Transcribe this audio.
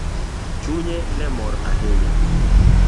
Chunye ne mor ahinya.